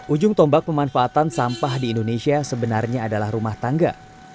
ujung tombak pemanfaatan sampah di indonesia sebenarnya adalah rumah tangga